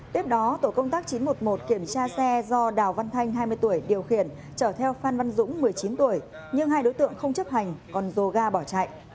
tiếp đó tổ công tác chín trăm một mươi một kiểm tra xe do đào văn thanh hai mươi tuổi điều khiển chở theo phan văn dũng một mươi chín tuổi nhưng hai đối tượng không chấp hành còn dồ ga bỏ chạy